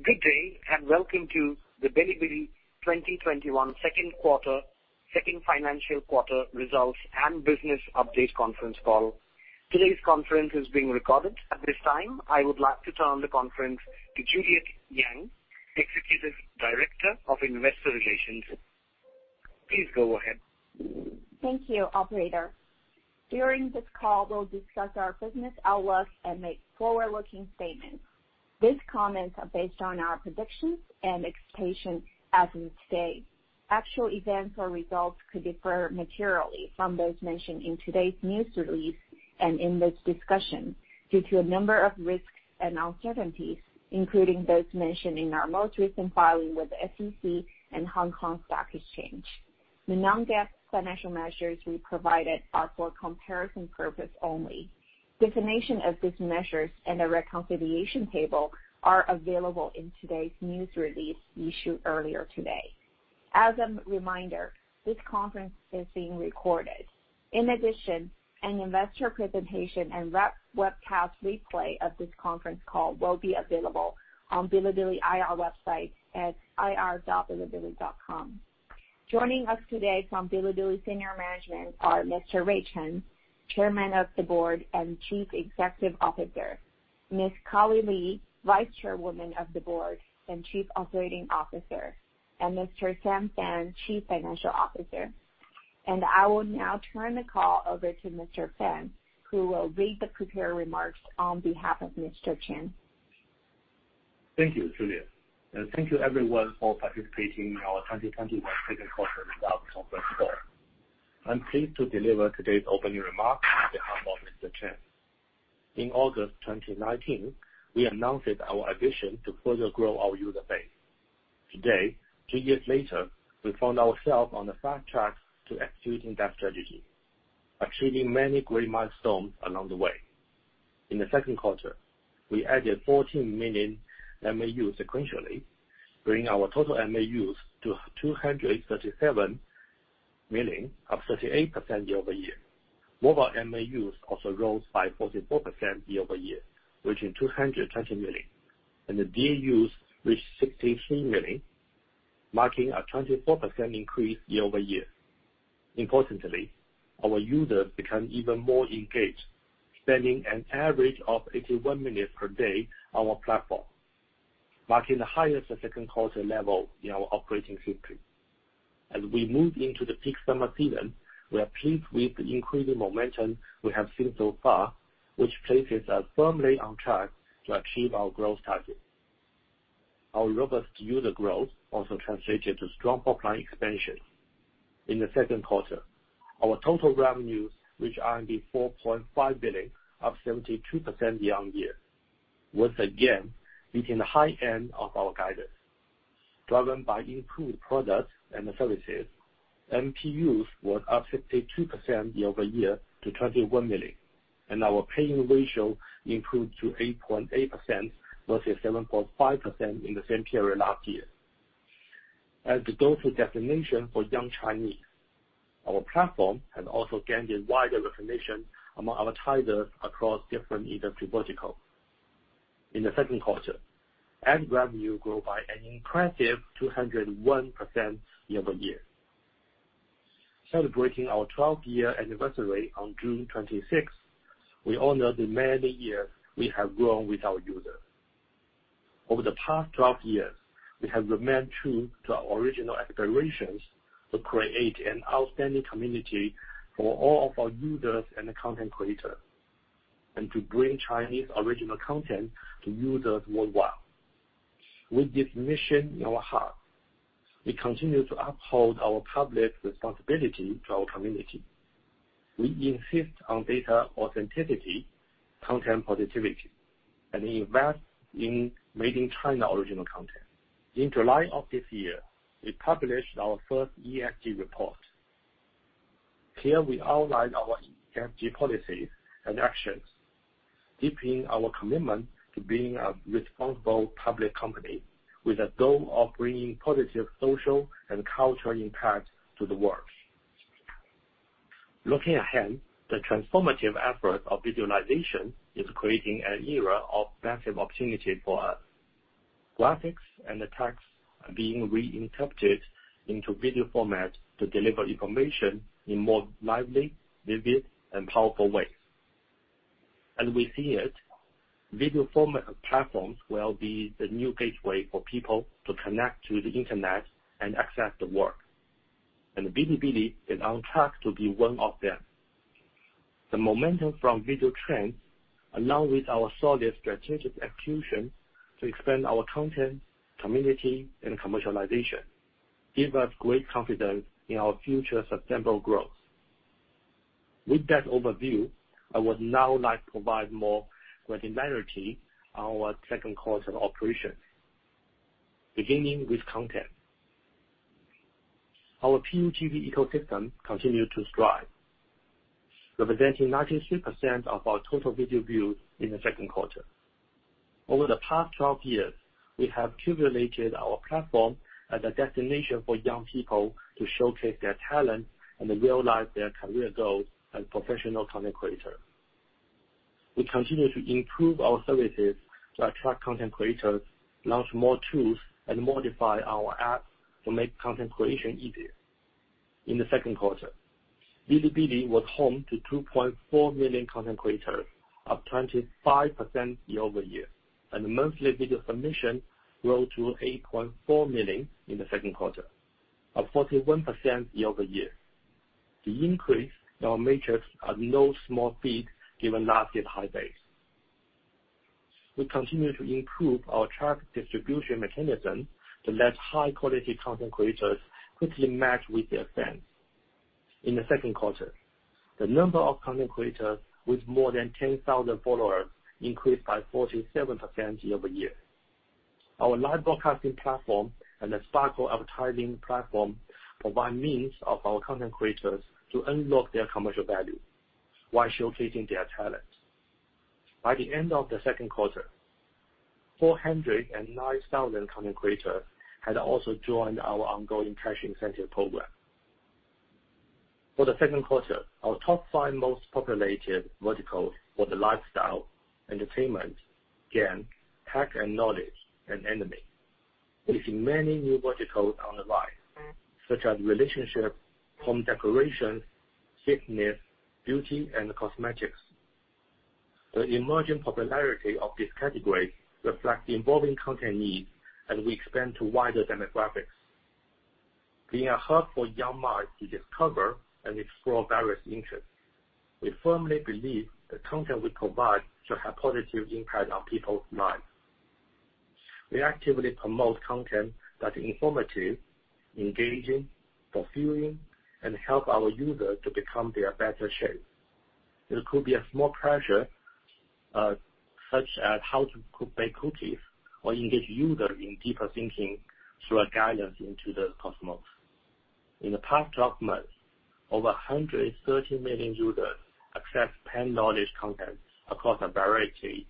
Good day, welcome to the Bilibili 2021 second financial quarter results and business update conference call. Today's conference is being recorded. At this time, I would like to turn the conference to Juliet Yang, Executive Director of Investor Relations. Please go ahead. Thank you, operator. During this call, we'll discuss our business outlook and make forward-looking statements. These comments are based on our predictions and expectations as of today. Actual events or results could differ materially from those mentioned in today's news release and in this discussion due to a number of risks and uncertainties, including those mentioned in our most recent filing with the SEC and Hong Kong Stock Exchange. The non-GAAP financial measures we provided are for comparison purpose only. Definition of these measures and a reconciliation table are available in today's news release issued earlier today. As a reminder, this conference is being recorded. In addition, an investor presentation and webcast replay of this conference call will be available on Bilibili IR website at ir.bilibili.com. Joining us today from Bilibili senior management are Mr. Rui Chen, Chairman of the Board and Chief Executive Officer; Ms. Carly Li, Vice Chairwoman of the Board and Chief Operating Officer; and Mr. Sam Fan, Chief Financial Officer. I will now turn the call over to Mr. Fan, who will read the prepared remarks on behalf of Mr. Chen. Thank you, Juliet Yang, and thank you everyone for participating in our 2021 second quarter results conference call. I'm pleased to deliver today's opening remarks on behalf of Mr. Chen. In August 2019, we announced our ambition to further grow our user base. Today, two years later, we found ourselves on the fast track to executing that strategy, achieving many great milestones along the way. In the second quarter, we added 14 million MAUs sequentially, bringing our total MAUs to 237 million, up 38% year-over-year. MOBA MAUs also rose by 44% year-over-year, reaching 220 million, and the DAUs reached 63 million, marking a 24% increase year-over-year. Importantly, our users become even more engaged, spending an average of 81 minutes per day on our platform. Marking the highest second quarter level in our operating history. As we move into the peak summer season, we are pleased with the increasing momentum we have seen so far, which places us firmly on track to achieve our growth target. Our robust user growth also translated to strong pipeline expansion. In the second quarter, our total revenues, which are indeed 4.5 billion up 72% year-on-year, once again meeting the high end of our guidance. Driven by improved products and services, MPUs was up 52% year-over-year to 21 million, and our pay-in ratio improved to 8.8% versus 7.5% in the same period last year. As the go-to destination for young Chinese, our platform has also gained wider recognition among advertisers across different industry verticals. In the second quarter, ad revenue grew by an impressive 201% year-over-year. Celebrating our 12-year anniversary on June 26th, we honor the many years we have grown with our users. Over the past 12 years, we have remained true to our original aspirations to create an outstanding community for all of our users and content creators, and to bring Chinese original content to users worldwide. With this mission in our heart, we continue to uphold our public responsibility to our community. We insist on data authenticity, content positivity, and invest in making China original content. In July of this year, we published our first ESG report. Here we outline our ESG policies and actions, deepening our commitment to being a responsible public company with a goal of bringing positive social and cultural impact to the world. Looking ahead, the transformative effort of digitalization is creating an era of massive opportunity for us. Graphics and the text are being reinterpreted into video format to deliver information in more lively, vivid, and powerful ways. As we see it, video format platforms will be the new gateway for people to connect to the internet and access the world. Bilibili is on track to be one of them. The momentum from video trends along with our solid strategic execution to expand our content, community, and commercialization, give us great confidence in our future sustainable growth. With that overview, I would now like to provide more granularity on our second quarter operation, beginning with content. Our PUGV ecosystem continues to strive representing 93% of our total video views in the second quarter. Over the past 12 years, we have created our platform as a destination for young people to showcase their talents and realize their career goals as professional content creators. We continue to improve our services to attract content creators, launch more tools, and modify our apps to make content creation easier. In the second quarter, Bilibili was home to 2.4 million content creators, up 25% year-over-year, and monthly video submissions rose to 8.4 million in the second quarter, up 41% year-over-year. The increase in our metrics are no small feat given last year's high base. We continue to improve our traffic distribution mechanism to let high-quality content creators quickly match with their fans. In the second quarter, the number of content creators with more than 10,000 followers increased by 47% year-over-year. Our live broadcasting platform and the Sparkle advertising platform provide means for our content creators to unlock their commercial value while showcasing their talents. By the end of the second quarter, 409,000 content creators had also joined our ongoing cash incentive program. For the second quarter, our top five most populated verticals were the lifestyle, entertainment, game, tech and knowledge, and anime. We see many new verticals on the rise, such as relationship, home decoration, fitness, beauty, and cosmetics. The emerging popularity of this category reflects the evolving content needs as we expand to wider demographics. Being a hub for young minds to discover and explore various interests, we firmly believe the content we provide should have positive impact on people's lives. We actively promote content that's informative, engaging, fulfilling, and help our users to become in better shape. It could be a small pleasure such as how to bake cookies or engage users in deeper thinking through a guidance into the cosmos. In the past 12 months, over 130 million users accessed paid knowledge content across a variety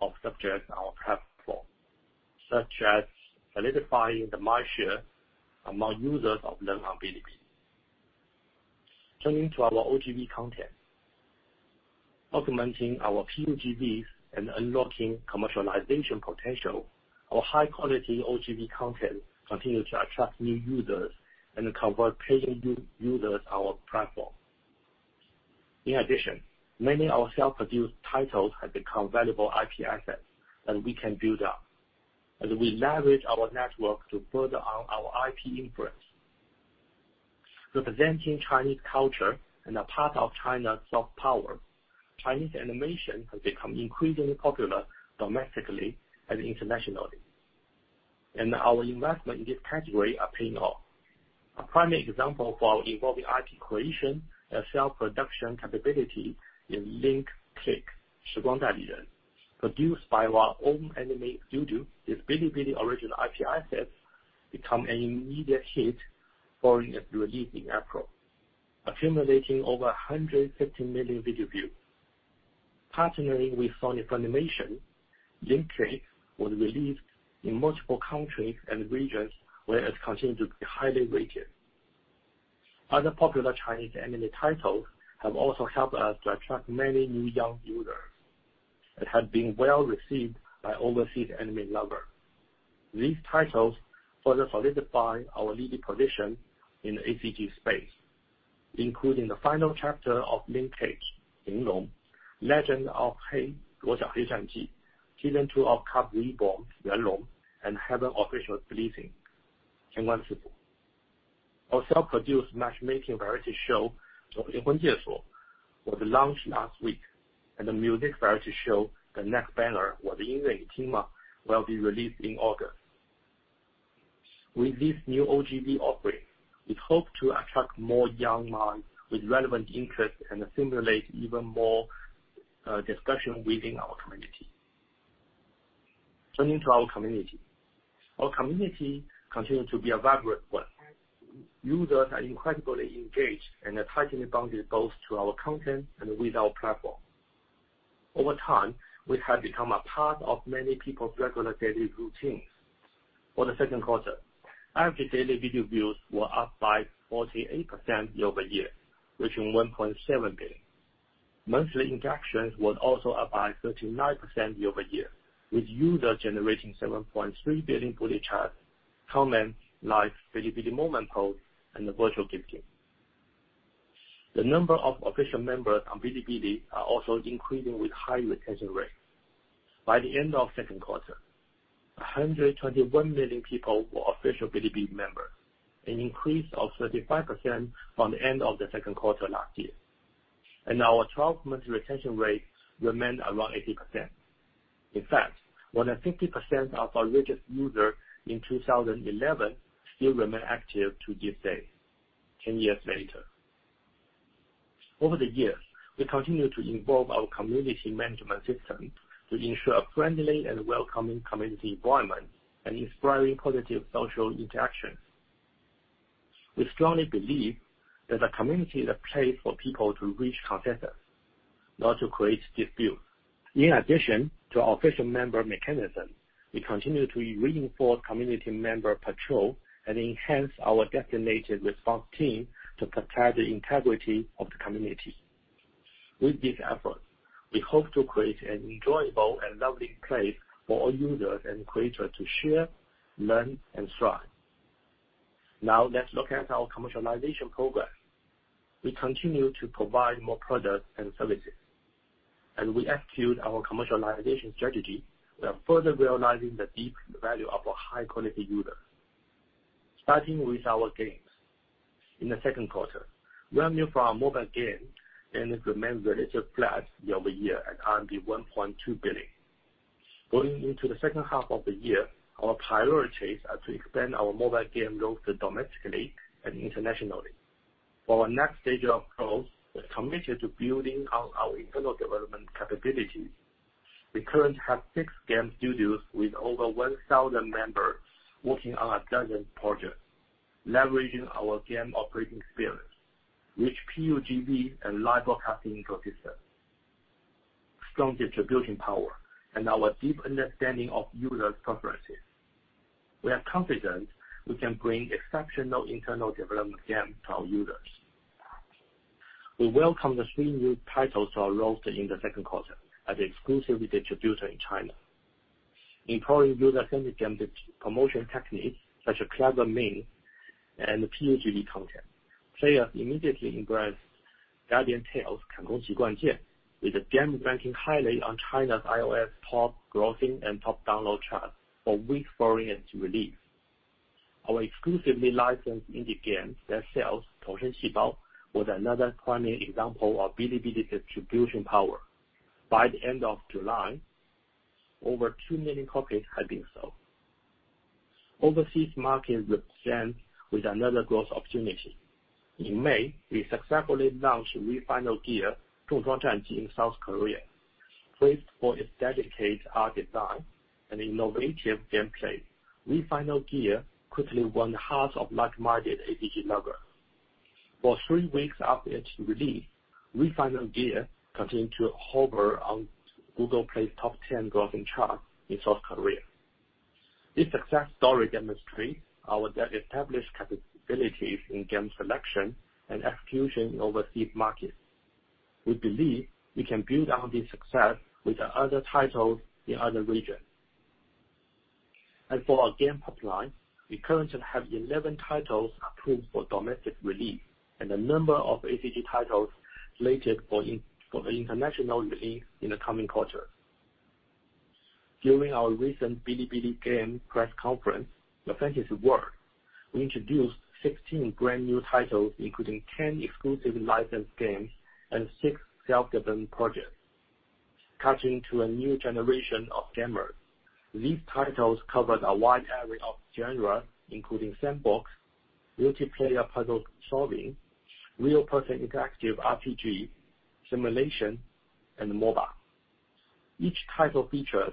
of subjects on our platform such as, solidifying the market share among users of Learn on Bilibili. Turning to our OGV content, augmenting our PUGVs and unlocking commercialization potential, our high-quality OGV content continues to attract new users and convert paying users to our platform. In addition, many of our self-produced titles have become valuable IP assets. That we can build on as we leverage our network to further our IP influence. Representing Chinese culture and a part of China's soft power, Chinese animation has become increasingly popular domestically and internationally. Our investment in this category are paying off. A prime example for our evolving IP creation and self-production capability is Link Click, produced by our own animated studio. This Bilibili original IP has become an immediate hit following its release in April, accumulating over 150 million video views. Partnering with Sony Aniplex, Link Click was released in multiple countries and regions where it continued to be highly rated. Other popular Chinese anime titles have also helped us to attract many new young users and have been well received by overseas anime lovers. These titles further solidify our leading position in the ACG space, including the final chapter of "Ling Cage," "Yinglong," "Legend of Hei," "Godji Shangxi" season two of "Carp Reborn," "Yuan Long," and "Heaven Official's Blessing." Our self-produced matchmaking variety show, was launched last week, and the music variety show, The Next Banner, team-up will be released in August. With these new OGV offerings, we hope to attract more young minds with relevant interests and stimulate even more discussion within our community. Turning to our community, our community continues to be a vibrant one. Users are incredibly engaged and are tightly bonded both to our content and with our platform. Over time, we have become a part of many people's regular daily routines. For the second quarter, average daily video views were up by 48% year-over-year, reaching 1.7 billion. Monthly interactions was also up by 39% year-over-year with users generating 7.3 billion bullet chats, comments, live Bilibili moment posts, and virtual gifting. The number of official members on Bilibili are also increasing with high retention rates. By the end of second quarter 2021, 121 million people were official Bilibili members, an increase of 35% from the end of the second quarter last year. Our 12-month retention rate remained around 80%. In fact, more than 50% of our registered users in 2011 still remain active to this day, 10 years later. Over the years, we continue to evolve our community management system to ensure a friendly and welcoming community environment and inspiring positive social interactions. We strongly believe that the community is a place for people to reach consensus, not to create disputes. In addition to our official member mechanism, we continue to reinforce community member patrol and enhance our designated response team to protect the integrity of the community. With these efforts, we hope to create an enjoyable and lovely place for all users and creators to share, learn and thrive. Let's look at our commercialization program. We continue to provide more products and services. As we execute our commercialization strategy, we are further realizing the deep value of our high-quality users. Starting with our games. In the second quarter, revenue from our mobile games remained relatively flat year-over-year at 1.2 billion. Going into the second half of the year, our priorities are to expand our mobile game roster domestically and internationally. For our next stage of growth, we're committed to building on our internal development capabilities. We currently have six game studios with over 1,000 members working on 12 projects, leveraging our game operating experience, which PUGV and Live Broadcasting ecosystem strong distribution power, and our deep understanding of users' preferences, we are confident we can bring exceptional internal development games to our users. We welcome the three new titles to our roster in the second quarter as the exclusive distributor in China, employing user-centric game promotion techniques such as clever memes and the PUGV content. Players immediately embraced Guardian Tales, Kan Gong Qi Guan Jian, with the game ranking highly on China's iOS top grossing and top download charts for weeks following its release. Our exclusively licensed indie game Dead Cells, Touhou Shidai, was another primary example of Bilibili distribution power. By the end of July, over 2 million copies had been sold. Overseas market represents another growth opportunity. In May, we successfully launched Final Gear to Bilibili in South Korea. Praise for its dedicated art design and innovative gameplay, Final Gear quickly won the hearts of like-minded RPG lovers. For three weeks after its release, Final Gear continued to hover on Google Play's top 10 grossing chart in South Korea. This success story demonstrates our established capabilities in game selection and execution overseas markets. We believe we can build on this success with other titles in other regions. For our game pipeline, we currently have 11 titles approved for domestic release and a number of ACG titles slated for the international release in the coming quarter. During our recent Bilibili Games press conference, the Fantasy World, we introduced 16 brand new titles including 10 exclusive licensed games and six self-developed projects. Catching to a new generation of gamers, these titles covered a wide area of genre including sandbox, multiplayer puzzle solving, real-person interactive RPG, simulation, and mobile. Each title features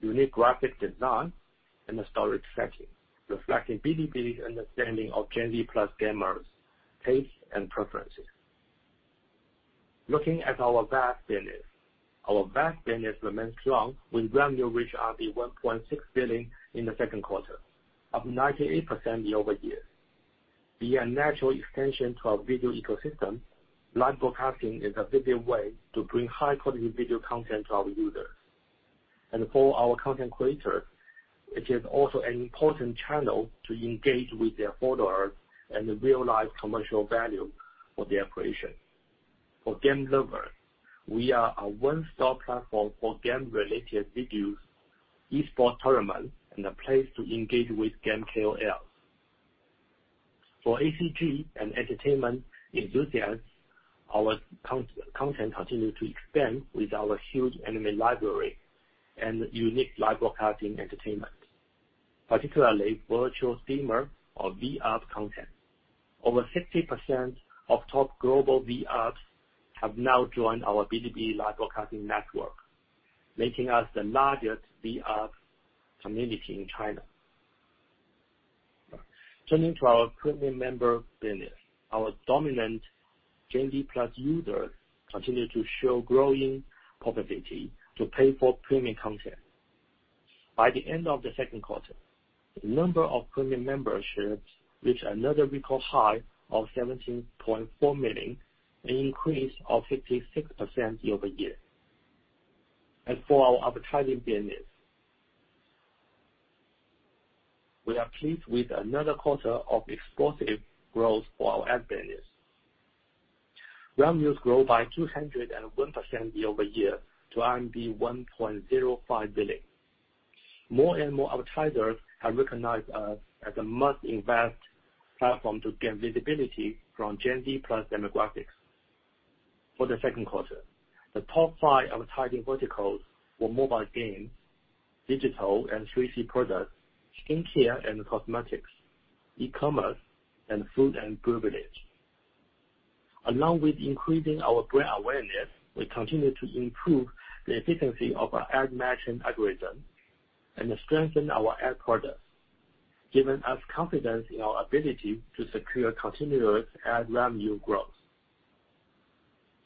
unique graphic design and a story setting reflecting Bilibili's understanding of Gen Z+ gamers' tastes and preferences. Looking at our VAS business, our VAS business remains strong with revenue reach 1.6 billion in the second quarter, of 98% year-over-year. Being a natural extension to our video ecosystem, live broadcasting is a Bilibili way to bring high-quality video content to our users. For our content creators, it is also an important channel to engage with their followers and realize commercial value for their creation. For game lovers, we are a one-stop platform for game-related videos esports tournament, and a place to engage with game KOLs. For ACG and entertainment enthusiasts, our content continues to expand with our huge anime library and unique live broadcasting entertainment, particularly virtual streamer or V-UP content. Over 60% of top global V-UP have now joined our Bilibili live broadcasting network. Making us the largest V-UP community in China. Turning to our premium member business, our dominant Gen Z+ users continue to show growing propensity to pay for premium content. By the end of the second quarter, the number of premium memberships reached another record high of 17.4 million, an increase of 56% year-over-year. For our advertising business, we are pleased with another quarter of explosive growth for our ad business. Revenues grow by 201% year-over-year to RMB 1.05 billion. More and more advertisers have recognized us as a must-invest platform to gain visibility from Gen Z+ demographics. For the second quarter, the top five of targeting verticals were mobile games, digital and 3C products, skincare and cosmetics, e-commerce, and food and beverage. Along with increasing our brand awareness, we continue to improve the efficiency of our ad matching algorithm. Strengthen our ad products, giving us confidence in our ability to secure continuous ad revenue growth.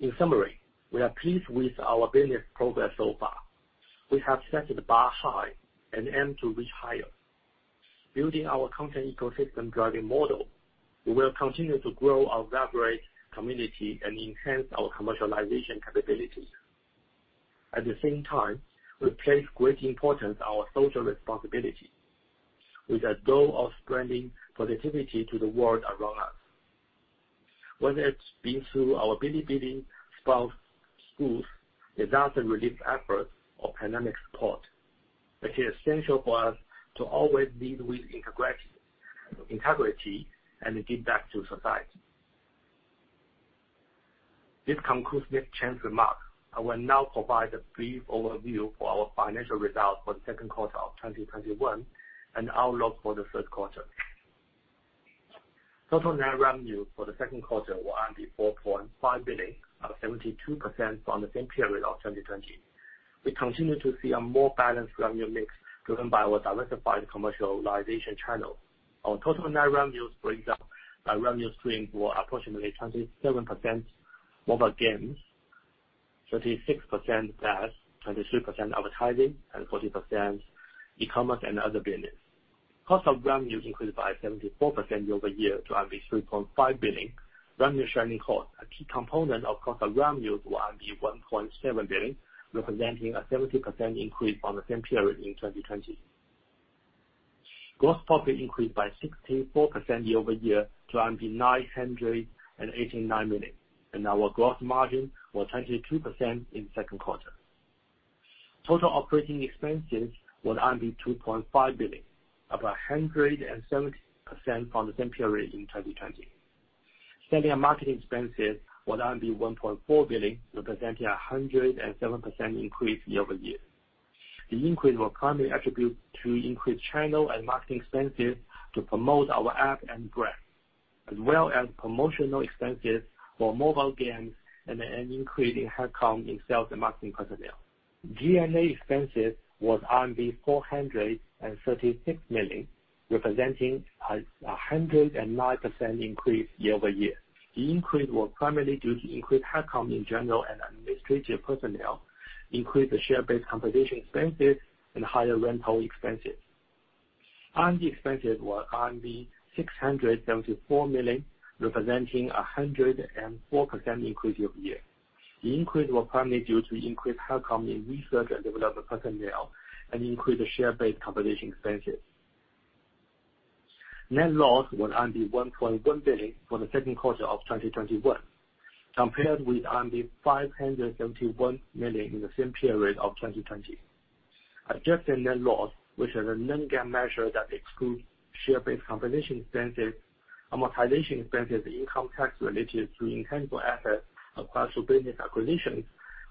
In summary, we are pleased with our business progress so far. We have set the bar high and aim to reach higher. Building our content ecosystem driving model, we will continue to grow our vibrant community and enhance our commercialization capabilities. At the same time, we place great importance on our social responsibility with a goal of spreading positivity to the world around us. Whether it's been through our Bilibili, sports, schools, disaster relief efforts, or pandemic support, it is essential for us to always lead with integrity and give back to society. This concludes Rui Chen's remarks. I will now provide a brief overview for our financial results for the second quarter of 2021 and outlook for the third quarter. Total net revenue for the second quarter was 4.5 billion, up 72% from the same period of 2020. We continue to see a more balanced revenue mix driven by our diversified commercialization channels. Our revenue streams were approximately 27% mobile games, 36% VAS, 23% advertising, and 40% e-commerce and other business. Cost of revenue increased by 74% year-over-year to RMB 3.5 billion. Revenue sharing cost, a key component of cost of revenues, were 1.7 billion, representing a 70% increase on the same period in 2020. Gross profit increased by 64% year-over-year to 989 million, and our gross margin was 22% in second quarter. Total operating expenses were 2.5 billion, up 170% from the same period in 2020. Selling and marketing expenses were 1.4 billion, representing a 107% increase year-over-year. The increase was primarily attributed to increased channel and marketing expenses to promote our app and brand, as well as promotional expenses for mobile games and an increase in headcount in sales and marketing personnel. G&A expenses was 436 million, representing a 109% increase year-over-year. The increase was primarily due to increased headcount in general and administration, administrative personnel, increased share-based compensation expenses, and higher rental expenses. R&D expenses were RMB 674 million, representing a 104% increase year-over-year. The increase was primarily due to increased headcount in research and development personnel and increased share-based compensation expenses. Net loss was 1.1 billion for the second quarter of 2021. Compared with 571 million in the same period of 2020. Adjusted net loss, which is a non-GAAP measure that excludes share-based compensation expenses, amortization expenses, income tax related to intangible assets acquired through business acquisitions,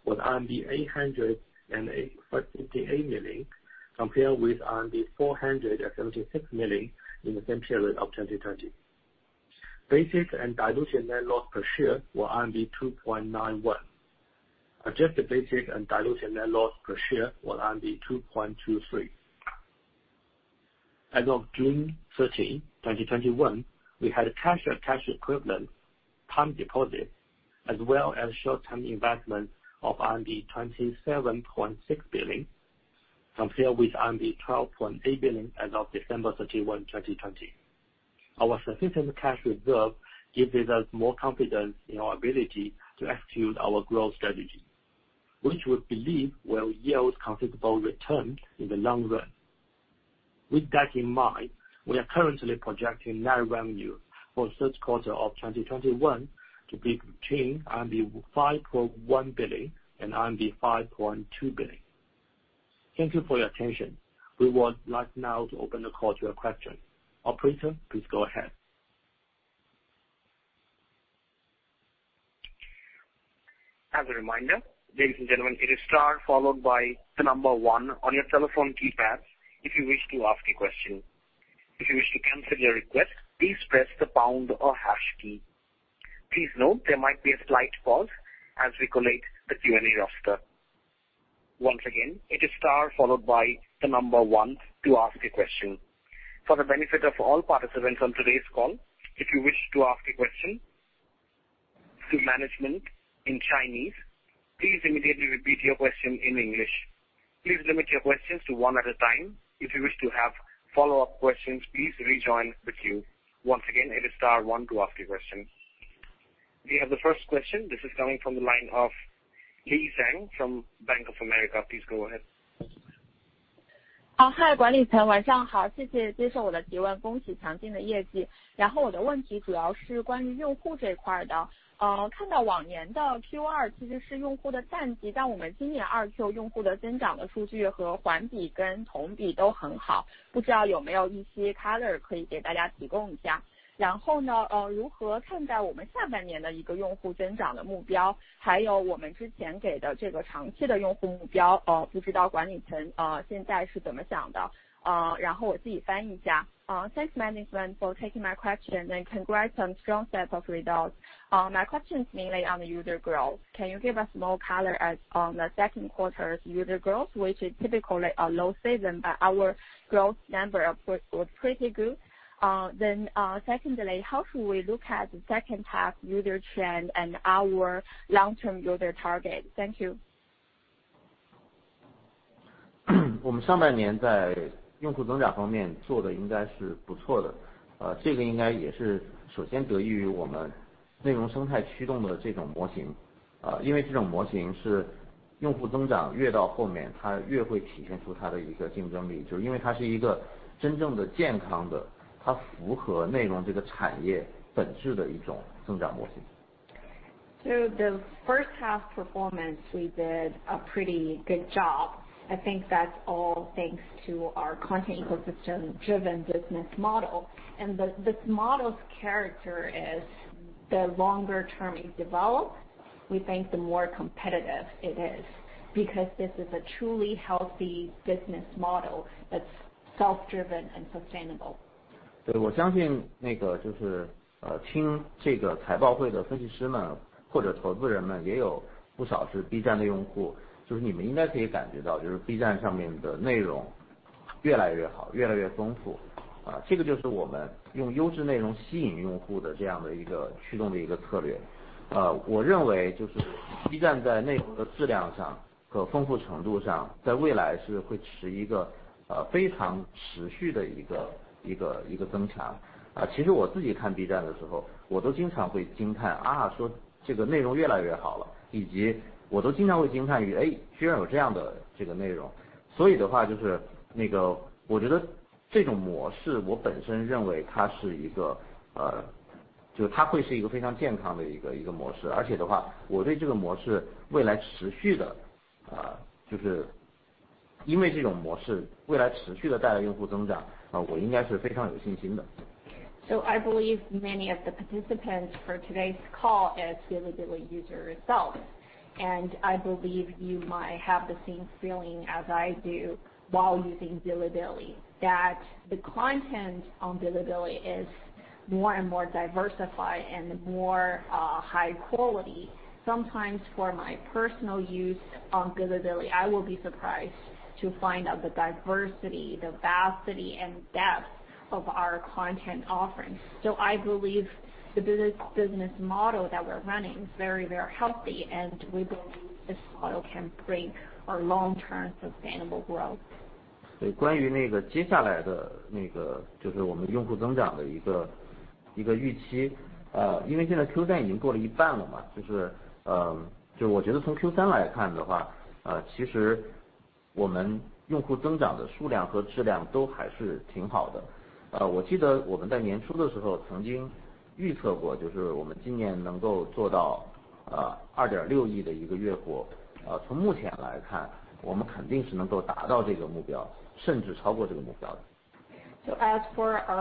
was RMB 858 million compared with RMB 476 million in the same period of 2020. Basic and diluted net loss per share was 2.91. Adjusted basic and diluted net loss per share was 2.23. As of June 30, 2021, we had cash and cash equivalents, time deposits, as well as short-term investments of RMB 27.6 billion compared with RMB 12.8 billion as of December 31, 2020. Our sufficient cash reserve gives us more confidence in our ability to execute our growth strategy, which we believe will yield considerable returns in the long run. With that in mind, we are currently projecting net revenue for second quarter 2021 to be between 5.1 billion and 5.2 billion. Thank you for your attention. We would like now to open the call to your questions. Operator, please go ahead. As a reminder, ladies and gentlemen, it is star followed by the number one on your telephone keypad if you wish to ask a question. If you wish to cancel your request, please press the pound or hash key. Please note there might be a slight pause as we collate the Q&A roster. Once again, it is star followed by the number one to ask a question. For the benefit of all participants on today's call, if you wish to ask a question to management in Chinese, please immediately repeat your question in English. Please limit your questions to one at a time. If you wish to have follow-up questions, please rejoin the queue. Once again, it is star one to ask a question. We have the first question. This is coming from the line of Lei Zhang from Bank of America. Please go ahead. Thanks, management, for taking my question and congrats on strong set of results. My question is mainly on the user growth. Can you give us more color on the second quarter's user growth, which is typically a low season, but our growth number was pretty good. Secondly, how should we look at the second half user trend and our long-term user target? Thank you. The first half performance, we did a pretty good job. I think that's all thanks to our content ecosystem-driven business model. This model's character is that the longer term it develops, we think the more competitive it is because this is a truly healthy business model that's self-driven and sustainable. I believe many of the participants for today's call is Bilibili user itself. I believe you might have the same feeling as I do while using Bilibili, that the content on Bilibili is more and more diversified and more high quality. Sometimes for my personal use on Bilibili, I will be surprised to find out the diversity, the vastity, and depth of our content offerings. We believe the business model that we're running is very, very healthy, and we believe this model can bring our long-term sustainable growth. As for our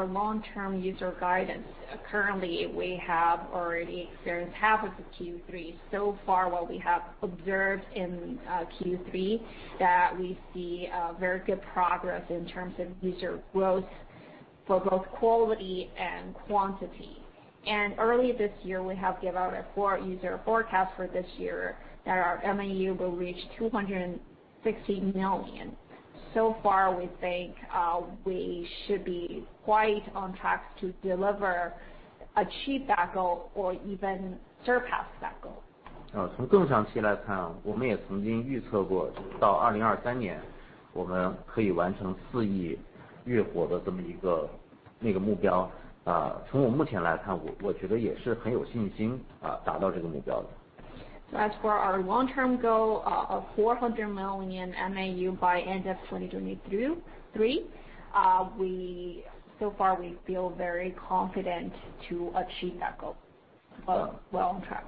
long-term user guidance, currently we have already experienced half of Q3. Far what we have observed in Q3 that we see very good progress in terms of user growth for both quality and quantity. Early this year, we have given out a user forecast for this year that our MAU will reach 260 million. Far, we think we should be quite on track to deliver, achieve that goal, or even surpass it. As for our long-term goal of 400 million MAU by end of 2023, we so far feel very confident to achieve that goal. Well on track.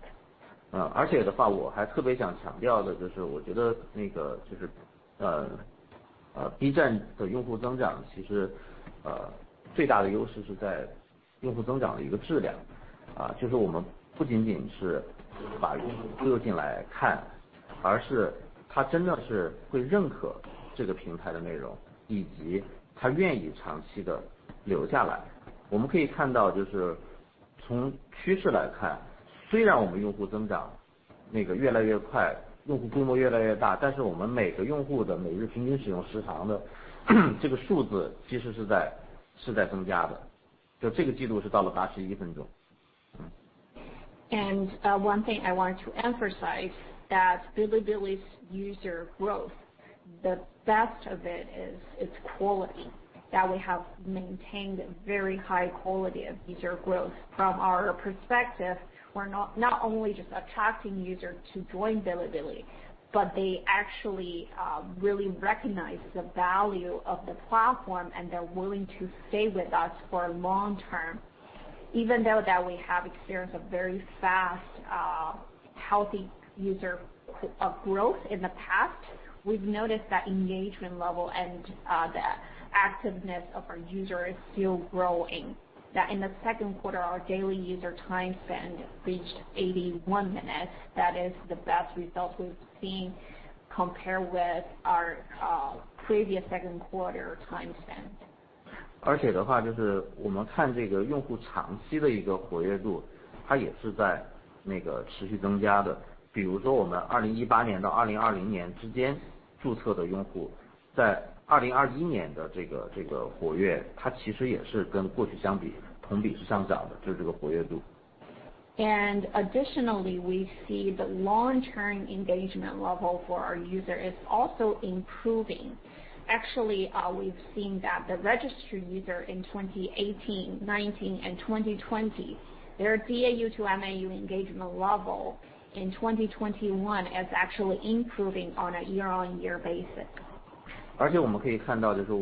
One thing I want to emphasize that Bilibili's user growth, the best of it is its quality that we have maintained very high quality of user growth. From our perspective, we're not only just attracting users to join Bilibili, but they actually really recognize the value of the platform and they're willing to stay with us for long term even though that we have Bilibili, there's a very fast, healthy user growth in the past. We've noticed that engagement level and the activeness of our user is still growing. That in the second quarter, our daily user time spent reached 81 minutes. That is the best result we've seen compared with our previous second quarter time spent. Additionally, we see the long-term engagement level for our user is also improving. Actually, we've seen that the registered user in 2018, 2019, and 2020, their DAU to MAU engagement level in 2021 is actually improving on a year-on-year basis. Every quarter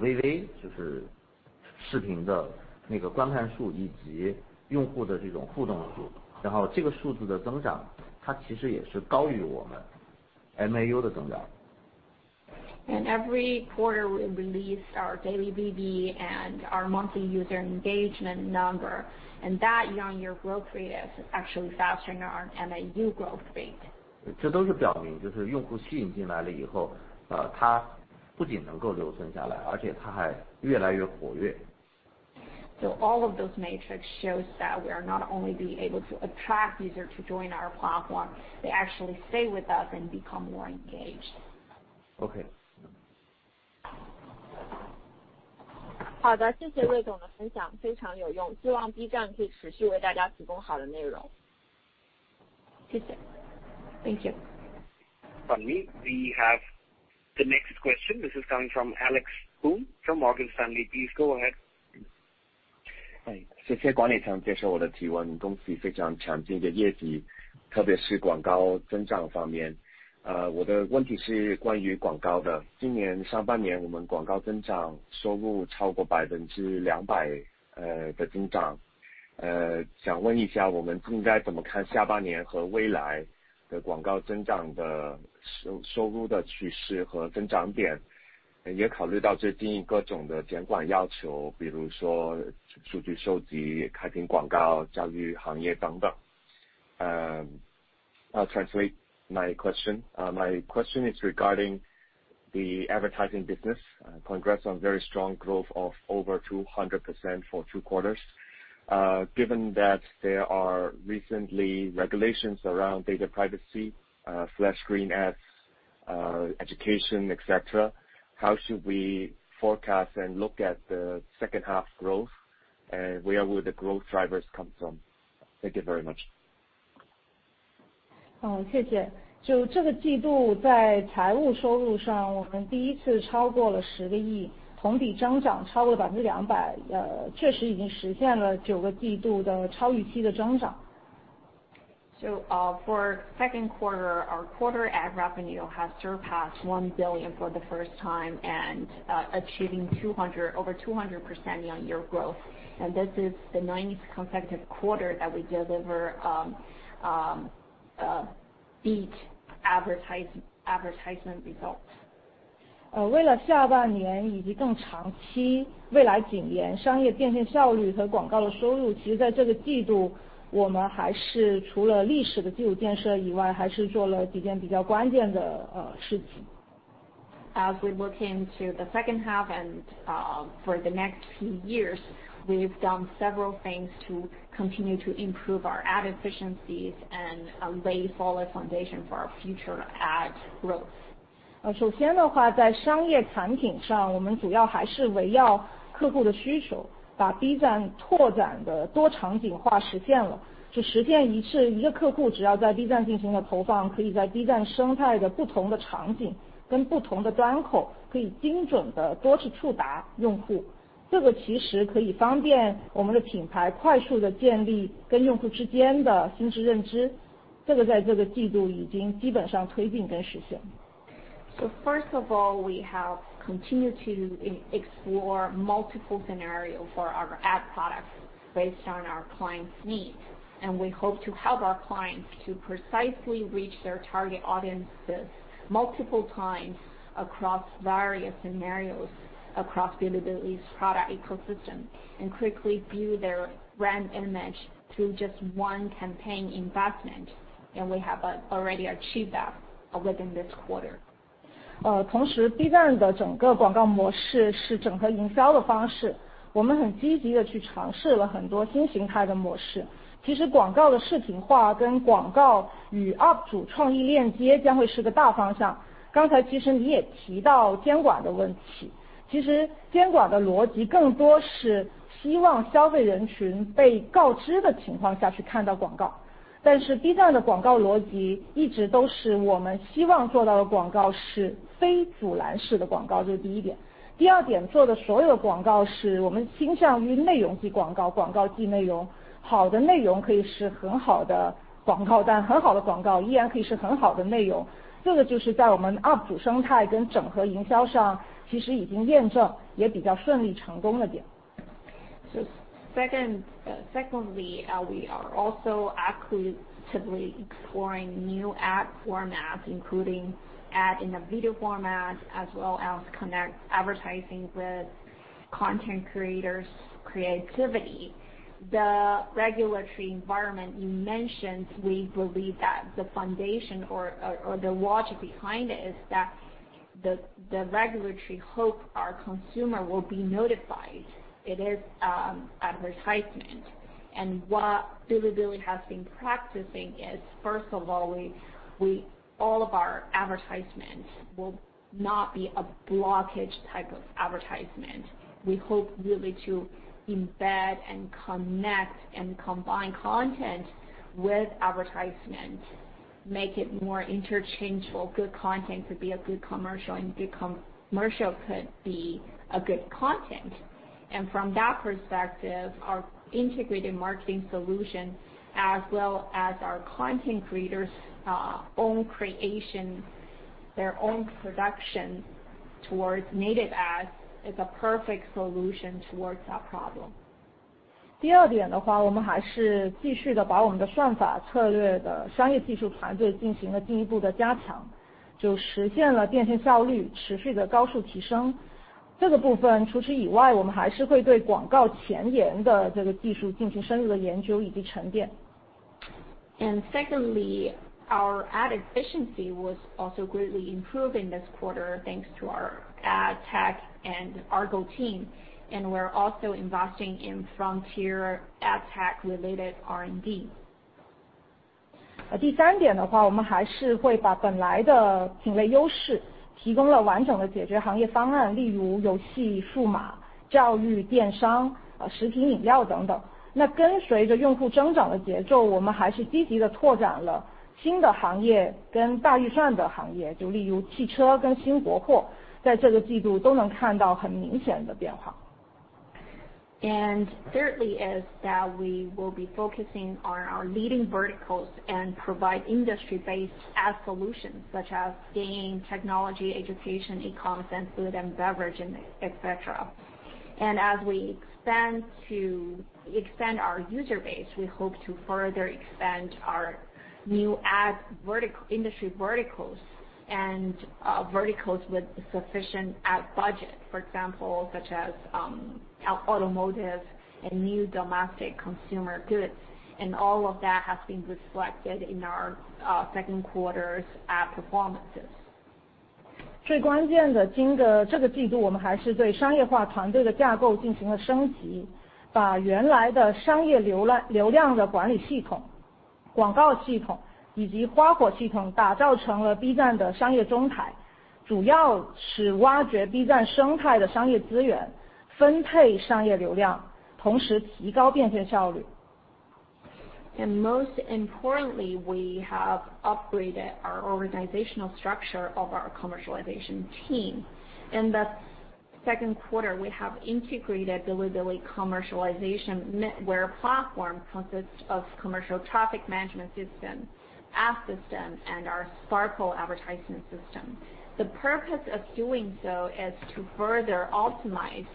we release our daily Bilibili and our monthly user engagement number, and that year-on-year growth rate is actually faster than our MAU growth rate. All of those metrics shows that we are not only being able to attract users to join our platform, they actually stay with us and become more engaged. Okay. Thank you. We have the next question. This is coming from Alex Poon from Morgan Stanley. Please go ahead. I'll translate my question. My question is regarding the advertising business, congrats on very strong growth of over 200% for two quarters. Given that there are recently regulations around data privacy, flash screen ads, education, et cetera. How should we forecast and look at the second half growth? Where will the growth drivers come from? Thank you very much. For second quarter, our quarter ad revenue has surpassed 1 billion for the first time and achieving over 200% year-on-year growth. This is the 9th consecutive quarter that we deliver beat advertisement return. As we look into the second half and for the next few years, we've done several things to continue to improve our ad efficiencies and lay solid foundation for our future ad growth. First of all, we have continued to explore multiple scenarios for our ad products based on our clients' needs. We hope to help our clients to precisely reach their target audiences multiple times across various environments. Scenarios across Bilibili's product ecosystem and quickly build their brand image through just one campaign investment. We have already achieved that within this quarter. Secondly, we are also actively exploring new ad formats including ad in a video format as well as connect advertising with content creators' creativity. The regulatory environment you mentioned, we believe that the foundation or the logic behind it is that the regulatory hope our consumer will be notified it is advertisement. What Bilibili has been practicing is, first of all of our advertisements will not be a blockage type of advertisement. We hope really to embed and connect and combine content with advertisement, make it more interchangeable. Good content could be a good commercial, and good commercial could be a good content. From that perspective, our integrated marketing solution as well as our content creators' own creation, their own production towards native ads is a perfect solution towards that problem. Secondly, our ad efficiency was also greatly improving this quarter thanks to our ad tech and Auto team. We're also investing in frontier ad tech-related R&D. Thirdly is that we will be focusing on our leading verticals and provide industry-based ad solutions such as game, technology, education, e-commerce, and food and beverage, and etc. As we expand our user base, we hope to further expand our new industry verticals and verticals with sufficient ad budget, for example, such as automotive and new domestic consumer goods. All of that has reflected in our second quarter's performances. Most importantly, we have upgraded our organizational structure of our commercialization team. In the second quarter, we have integrated Bilibili commercialization network platform consists of commercial traffic management system, ad system, and our Sparkle advertisement system. The purpose of doing so is to further optimize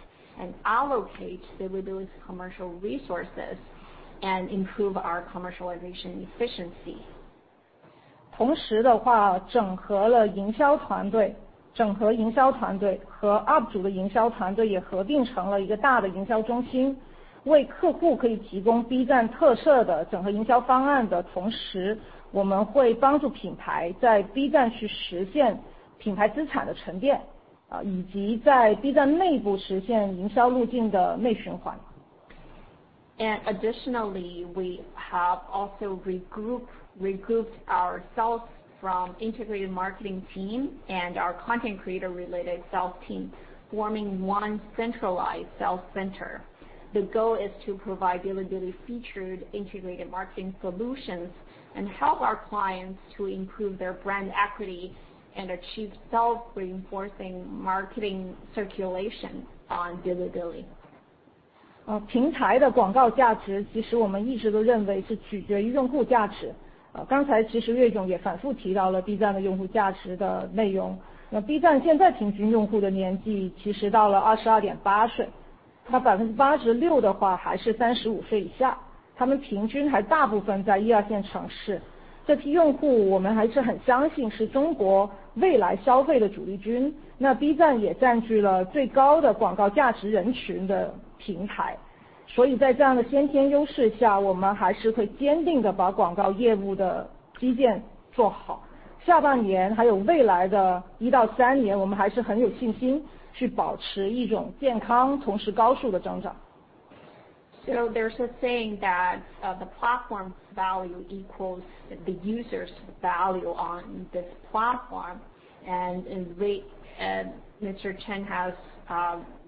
and allocate Bilibili's commercial resources and improve our commercialization efficiency. Additionally, we have also regrouped ourselves from integrated marketing team and our content creator-related sales team, forming one centralized sales center. The goal is to provide Bilibili features integrated marketing solutions and help our clients to improve their brand equity and achieve self-reinforcing marketing circulation on Bilibili. There's a saying that the platform's value equals the user's value on this platform, and Mr. Chen has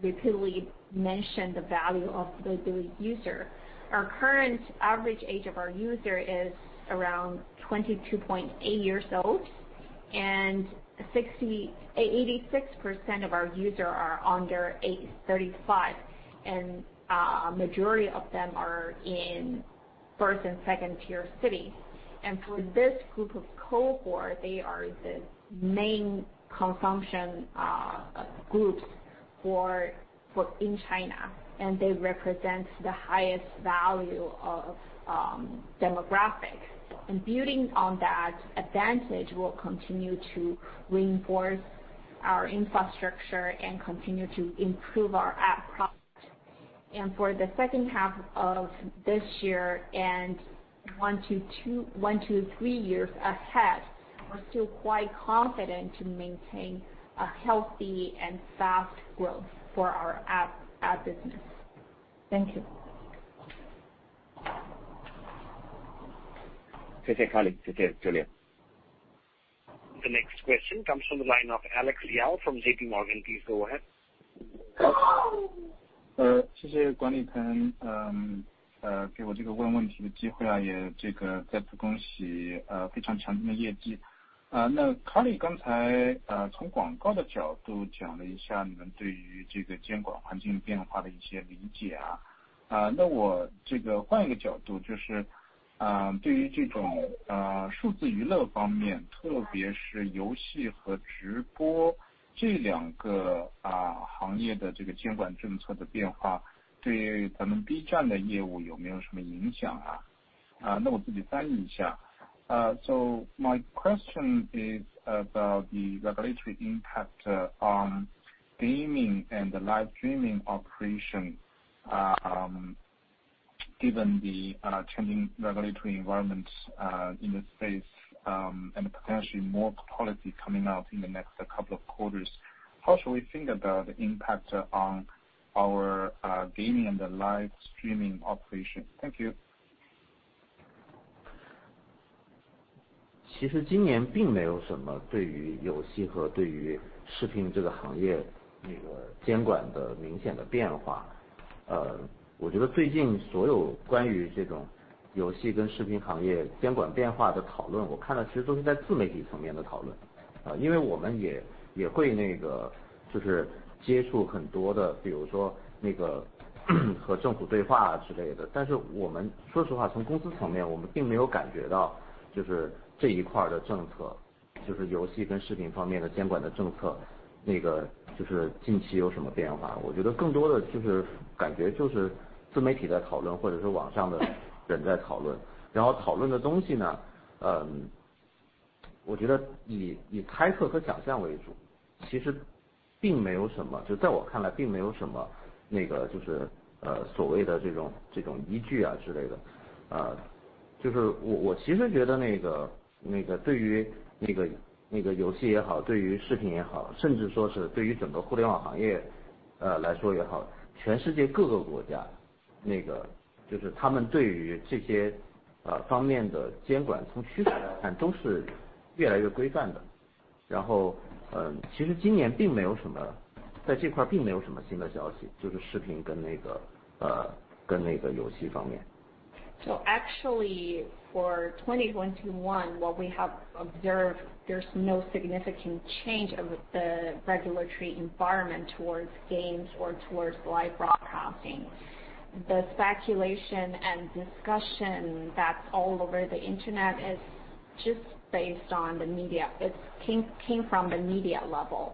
repeatedly mentioned the value of the Bilibili user. Our current average age of our user is around 22.8 years old, and 86% of our users are under 35, and majority of them are in first and second-tier cities. For this group of cohort, they are the main consumption groups in China, and they represent the highest value of demographics. Building on that advantage, we'll continue to reinforce our infrastructure and continue to improve our app product. For the second half of this year and one to three years ahead, we're still quite confident to maintain a healthy and fast growth for our app business. Thank you. The next question comes from the line of Alex Yao from JPMorgan. Please go ahead. Hello, Bilibili. My question is about the regulatory impact on gaming and the live streaming operation. Given the changing regulatory environment in this space and potentially more policy coming out in the next couple of quarters, how should we think about the impact on our gaming and the live streaming operation. Thank you. Actually for 2021, what we have observed, there's no significant change of the regulatory environment towards games or towards live broadcasting. The speculation and discussion that's all over the Internet is just based on the media. It came from the media level.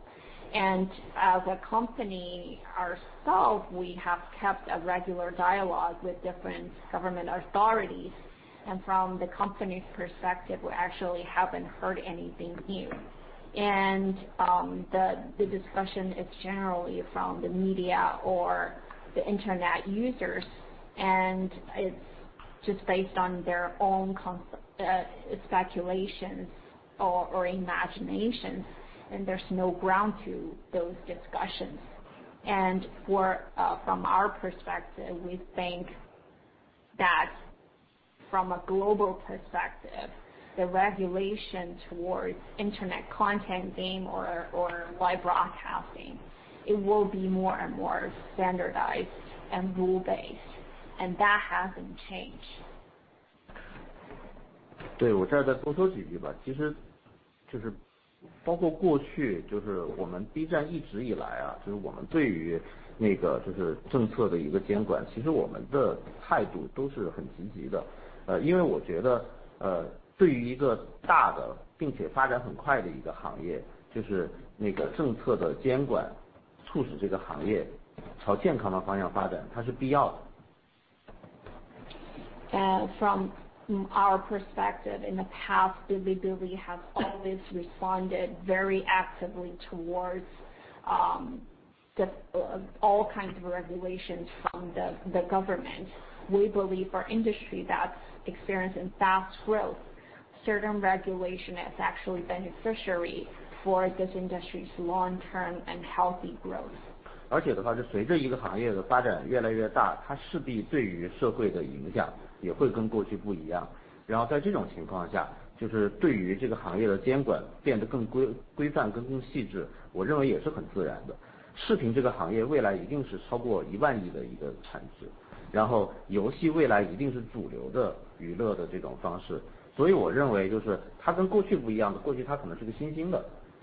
As a company ourselves, we have kept a regular dialogue with different government authorities. From the company's perspective, we actually haven't heard anything new. The discussion is generally from the media or the Internet users, it's just based on their own speculations or imaginations, there's no ground to those discussions. From our perspective, we think that from a global perspective, the regulation towards Internet content, game or live broadcasting, it will be more and more standardized and rule-based, that hasn't changed. From our perspective, in the past, Bilibili has always responded very actively towards all kinds of regulations from the government. We believe our industry that's experiencing fast growth, certain regulation is actually beneficiary for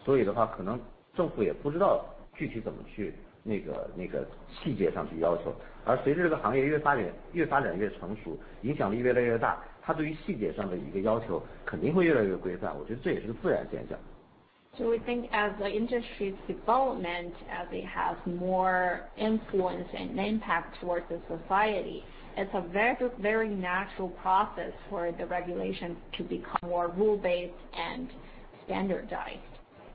this industry's long-term and healthy growth. We think as the industry's development, as it has more influence and impact towards the society, it's a very natural process for the regulation to become more rule-based and standardized.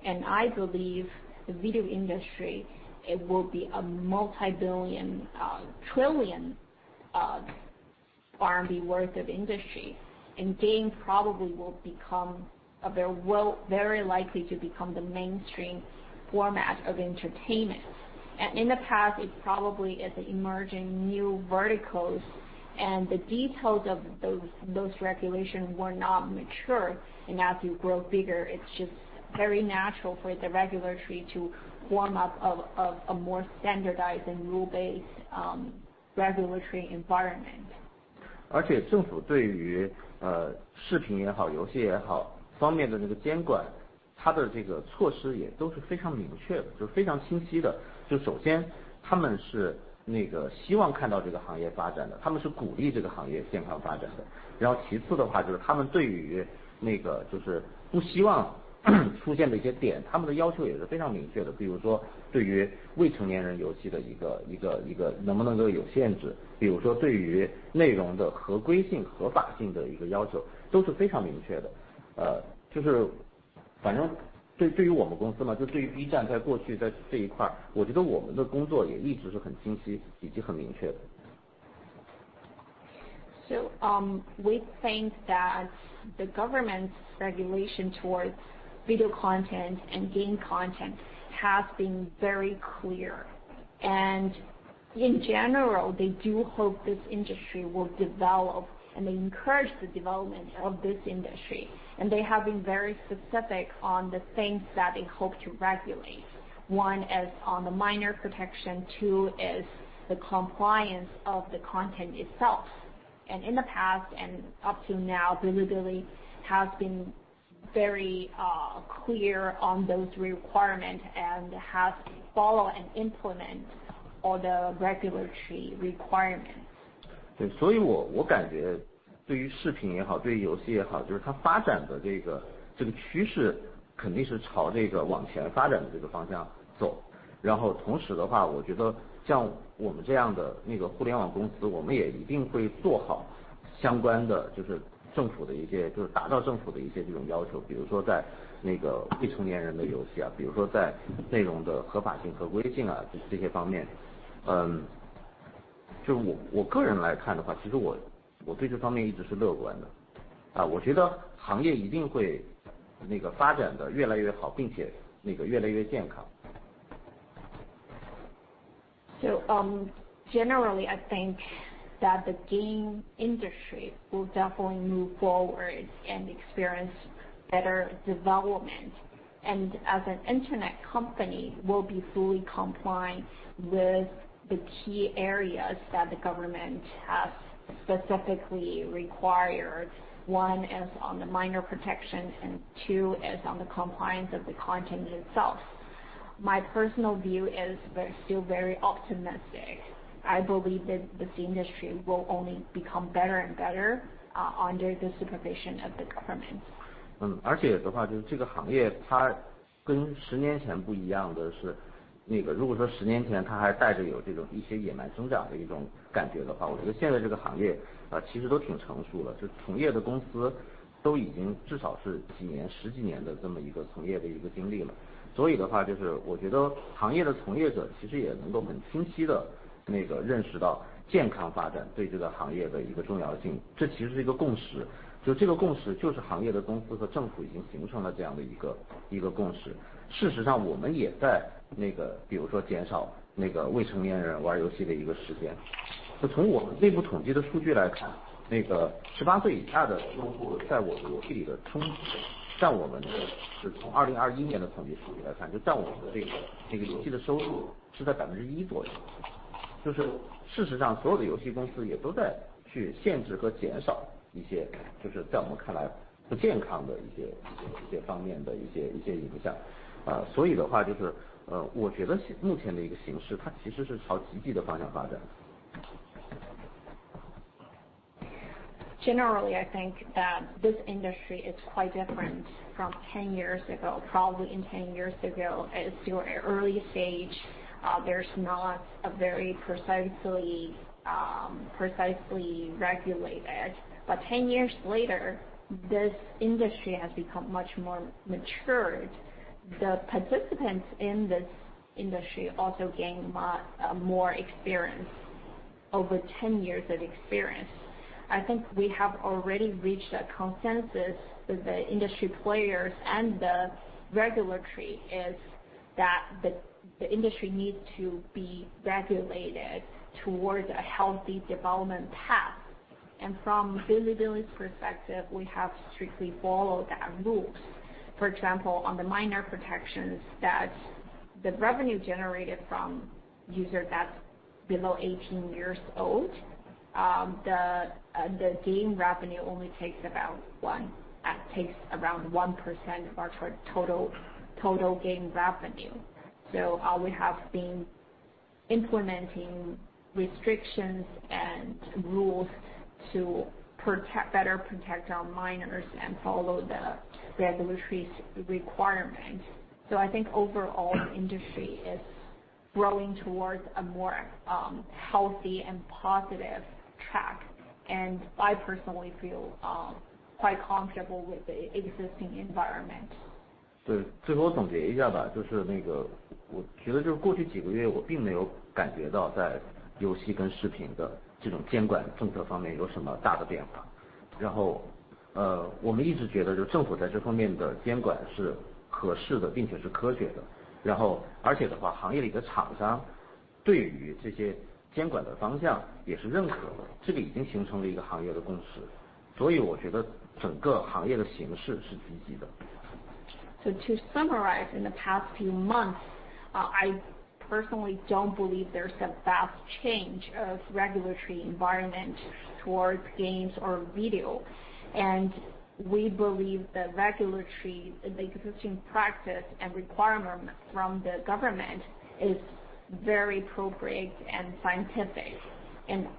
I believe the video industry, it will be a multi-year Bilibili, trillion RMB worth of industry. Games probably they're very likely to become the mainstream format of entertainment. In the past, it probably is emerging new verticals, and the details of those regulations were not mature. As you grow bigger, it's just very natural for the regulatory to form up a more standardized and rule-based regulatory environment. We think that the government's regulation towards video content and game content has been very clear. In general, they do hope this industry will develop, and they encourage the development of this industry. They have been very specific on the things that they hope to regulate. One is on the minor protection. Two is the compliance of the content itself. In the past and up to now, Bilibili has been very clear on those requirements and has followed and implemented all the regulatory requirements. Generally, I think that the game industry will definitely move forward and experience better development. As an internet company, we'll be fully compliant with the key areas that the government has specifically required. One is on the minor protection, two is on the compliance of the content itself. My personal view is still very optimistic. I believe that this industry will only become better and better under the supervision of the government. Generally, I think that this industry is quite different from 10 years ago, probably in 10 years ago, is still an early stage. There's not a very precisely regulated. 10 years later, this industry has become much more matured. The participants in this industry also gain more experience. Over 10 years of experience, I think we have already reached a consensus the industry players and the regulators is that the industry needs to be regulated toward a healthy development path. From Bilibili's perspective, we have strictly followed that rules. For example, on the minor protections, that's the revenue generated from user that's below 18 years old, The game revenue only takes around 1% of our total game revenue. We have been implementing restrictions and rules to better protect our minors and follow the regulatory requirements. I think overall, the industry is growing towards a more healthy and positive track. I personally feel quite comfortable with the existing environment. To summarize, in the past few months, I personally don't believe there's a vast change of regulatory environment towards games or video. We believe the existing practice and requirement from the government is very appropriate and scientific.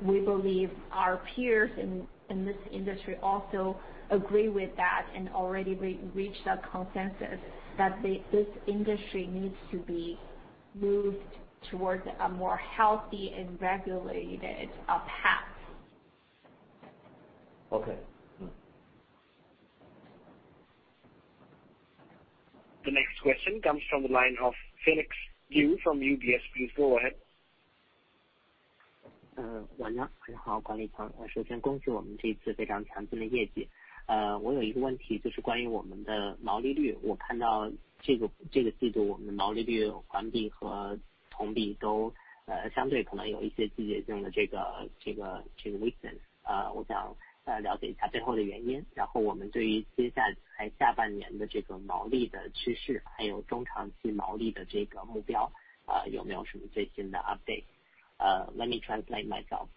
We believe our peers in this industry also agree with that and already reached a consensus that this industry needs to be moved towards a more healthy and regulated paths. Okay. The next question comes from the line of Felix Liu from UBS. Please go ahead. Bilibili. Let me translate myself.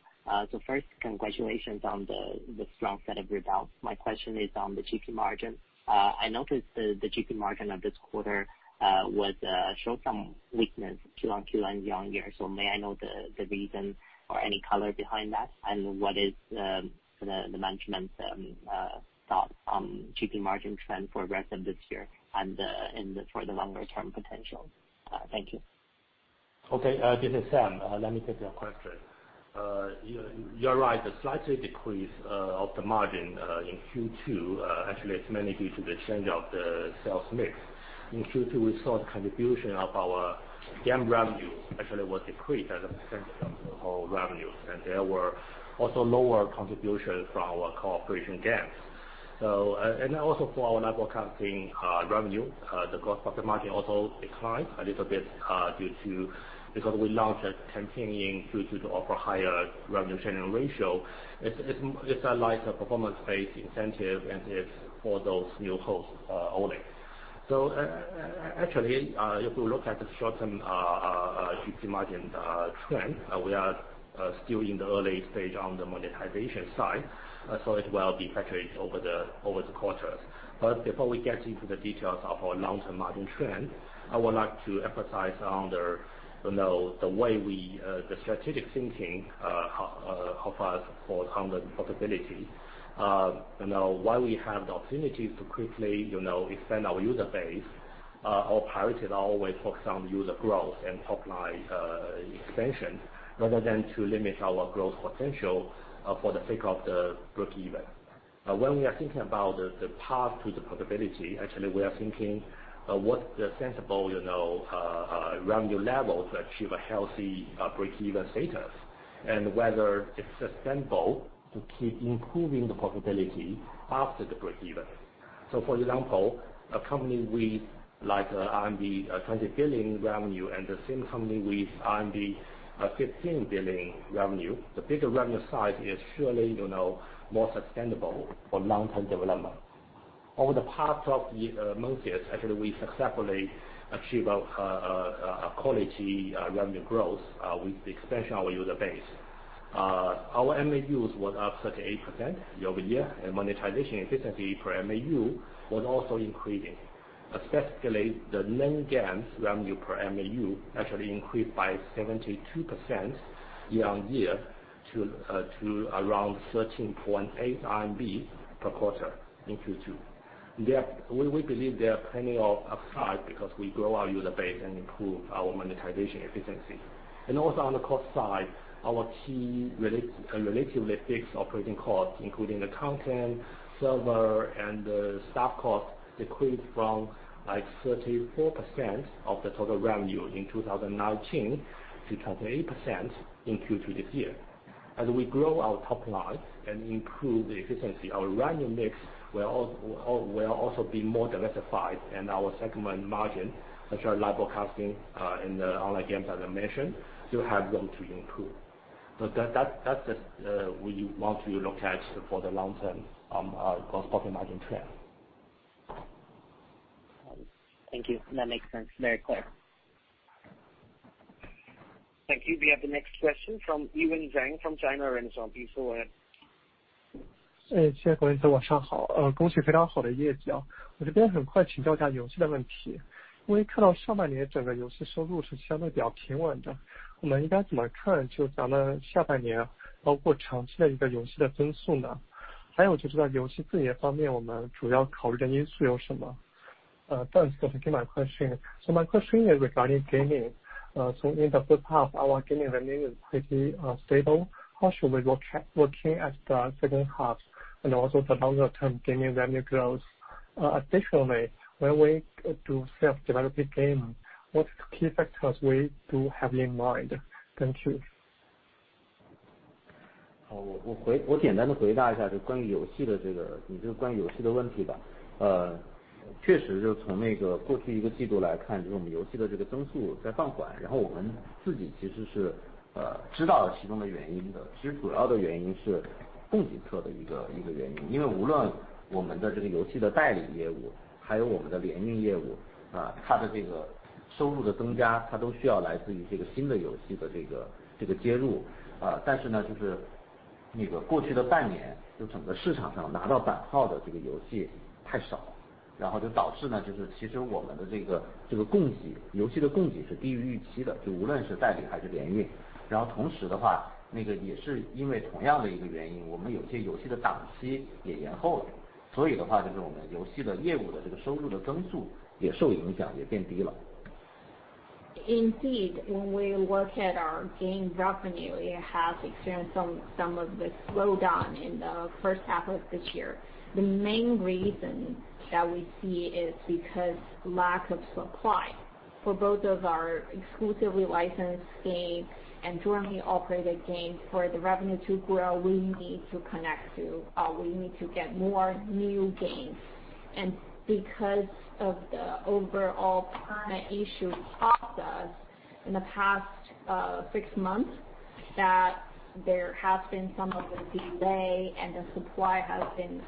First, congratulations on the strong set of results. My question is on the GP margin. I noticed the GP margin of this quarter showed some weakness Q-on-Q and year-on-year. May I know the reason or any color behind that? What is the management's thoughts on GP margin trend for the rest of this year and for the longer-term potential? Thank you. Okay. This is Sam Fan. Let me take your question. You're right, a slight decrease of the GP margin Q2, actually it's mainly due to the change of the sales mix. In Q2, we saw the contribution of our game revenue actually was decreased as a percent of the whole revenue. There were also lower contributions from our cooperation games. Also for our live broadcasting revenue, the GP margin also declined a little bit because we launched a campaign in Q2 to offer higher revenue sharing ratio, it's a lighter performance-based incentive and it's for those new hosts only. Actually, if you look at the short-term GP margin trend, we are still in the early stage on the monetization side, so it will be factored over the quarters. Before we get into the details of our long-term margin trend, I would like to emphasize on the strategic thinking of us for Bilibili. While we have the opportunities to quickly expand our user base, our priorities are always focused on the user growth and top line expansion rather than to limit our growth potential for the sake of the breakeven. When we are thinking about the path to the profitability, actually we are thinking what's the sensible, you know, revenue level to achieve a healthy breakeven status and whether it's sustainable to keep improving the profitability after the breakeven. For example, a company with like RMB 20 billion revenue and the same company with RMB 15 billion revenue, the bigger revenue size is surely, you know, more sustainable for long-term development. Over the past 12 months, actually, we successfully achieved quality revenue growth with the expansion of our user base. Our MAUs was up 38% year-over-year, and monetization efficiency per MAU was also increasing. Specifically, the net games revenue per MAU actually increased by 72% year-on-year to around 13.8 RMB per quarter in Q2 2021. We believe there are plenty of upside because we grow our user base and improve our monetization efficiency. On the cost side, our key relatively fixed operating costs including the content, server, and the staff cost decreased from like 34% of the total revenue in 2019 to 28% in Q2 2021. As we grow our top line and improve the efficiency, our revenue mix will also be more diversified and our segment margin, such as live broadcasting and the online games as I mentioned, still have room to improve. That's what we want to look at for the long-term gross profit margin trend. Thank you. That makes sense. Very clear. Thank you. We have the next question from Yiwen Zhang from China Renaissance. Please go ahead. Hello, Bilibili. My name is Yiwen Zhang. Thanks for taking my question. My question is regarding gaming. In the first half, our gaming revenue is pretty stable. How should we look at the second half and also the longer-term gaming revenue growth? Additionally, when we do self-developed games, what key factors we to have in mind. Thank you. When we look at our game revenue, it has experienced some of the slowdown in the first half of this year. The main reason that we see is because lack of supply for both of our exclusively licensed games and jointly operated games, for the revenue to grow, we need to get more new games. Because of the overall China issue process in the past six months, that there has been some of the delay and the supply has been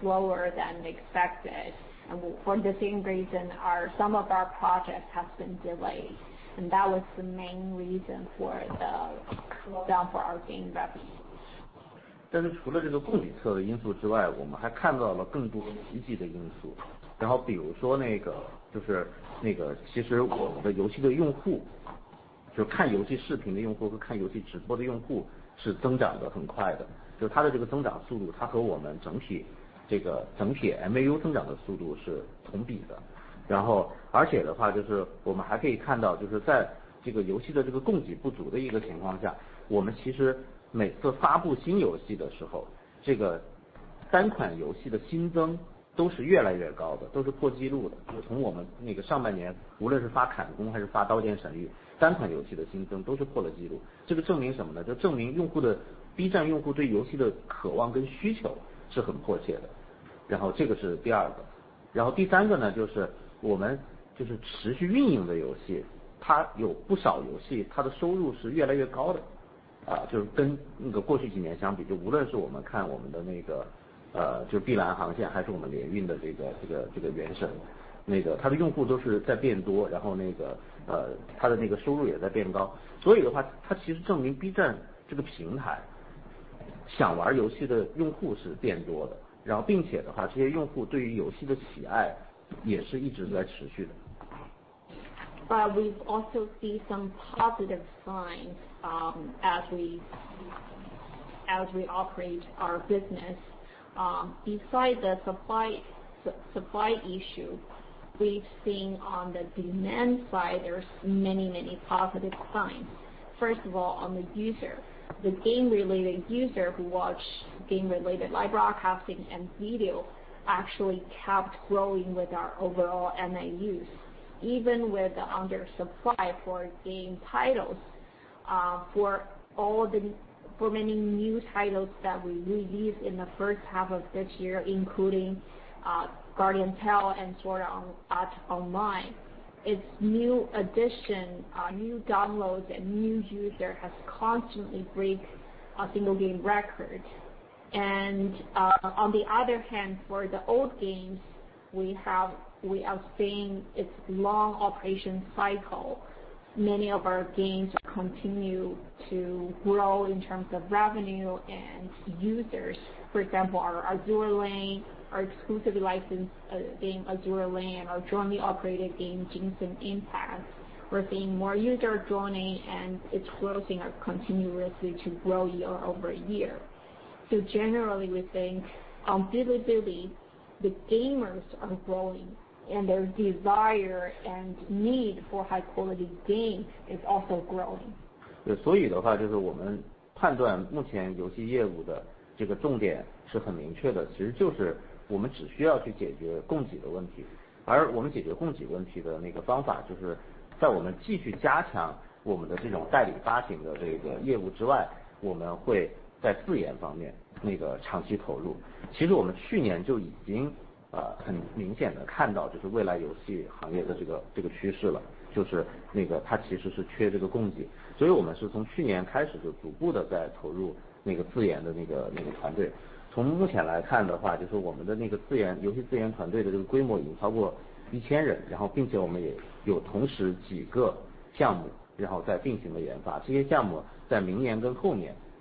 slower than expected. For the same reason, some of our project has been delayed, and that was the main reason for the slowdown for our game revenue. We also see some positive signs as we operate our business. Besides the supply issue, we've seen on the demand side there's many positive signs. On the user, the game-related user who watch game-related live broadcasting and video actually kept growing with our overall MAUs even with the undersupply for game titles for many new titles that we released in the first half of this year, including Guardian Tales and Sword Art Online, its new addition, new downloads, and new users has constantly break a single game record. On the other hand, for the old games, we are seeing its long operation cycle. Many of our games continue to grow in terms of revenue and users. For example, our Azur Lane, our exclusively licensed game Azur Lane, our jointly operated game Genshin Impact, we're seeing more users joining and it's closing up continuously to grow year-over-year. Generally we think on Bilibili, the gamers are growing and their desire and need for high-quality game is also growing.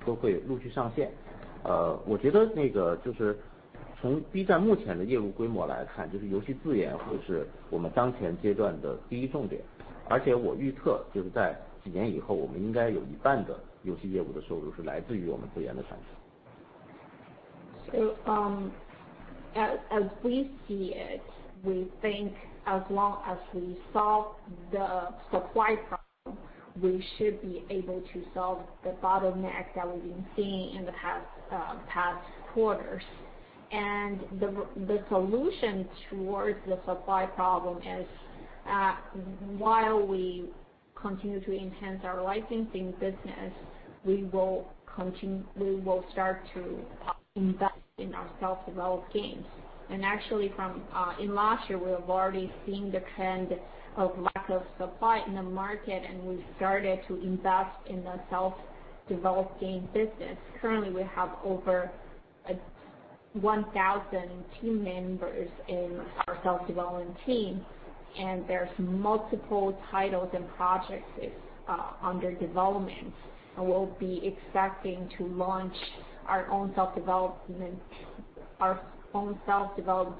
As we see it, we think as long as we solve the supply problem, we should be able to solve the bottleneck that we've been seeing in the past quarters. The solution towards the supply problem is while we continue to enhance our licensing business, we will start to invest in our self-developed games. Actually in last year, we have already seen the trend of lack of supply in the market, and we started to invest in the self-developing business. Currently, we have over 1,000 team members in our self-development team, and there are multiple titles and projects under development. We'll be expecting to launch our own self-developed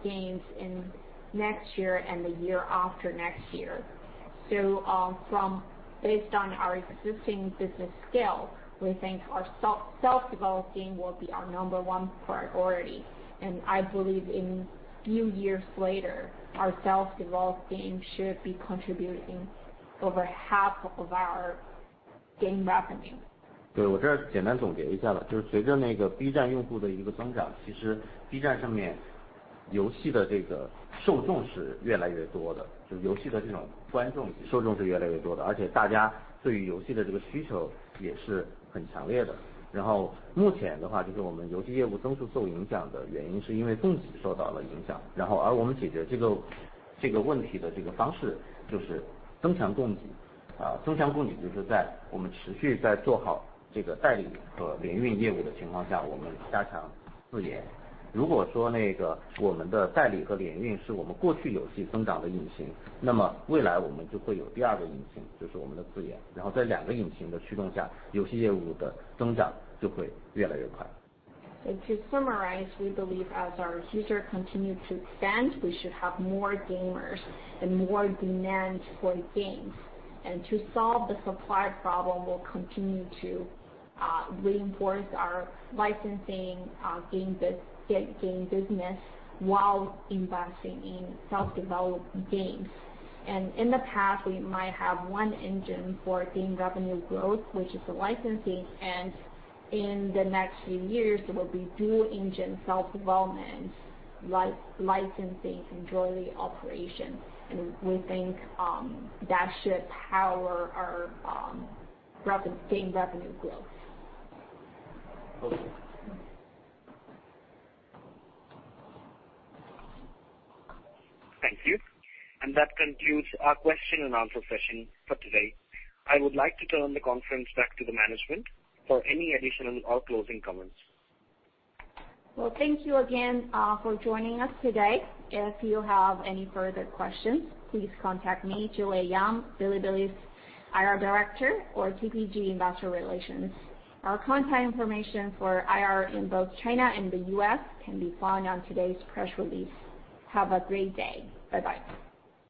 games in next year and the year after next year. Based on our existing business scale, we think our self-developed game will be our number one priority. I believe in few years later, our self-developed game should be contributing over half of our game revenue. To summarize, we believe as our users continue to Bilibili expands, we should have more gamers and more demand for games. To solve the supply problem, we'll continue to reinforce our licensing game business while investing in self-developed games. In the past, we might have one engine for game revenue growth, which is the licensing, and in the next few years will be dual engine self-development, licensing, and jointly operation. We think that should power our game revenue growth. Thank you. That concludes our question and answer session for today. I would like to turn the conference back to the management for any additional or closing comments. Well, thank you again for joining us today. If you have any further questions, please contact me, Juliet Yang, Bilibili's IR Director, or TPG Investor Relations. Our contact information for IR in both China and the U.S. can be found on today's press release. Have a great day. Bye-bye.